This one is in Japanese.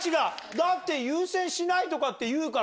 だって優先しないとかって言うからさ。